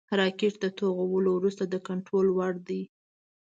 راکټ د توغولو وروسته د کنټرول وړ دی